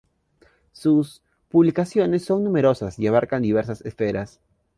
Sus publicaciones son numerosas y abarcan diversas esferas.